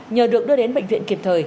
nhờ được đưa đến bệnh viện kịp thời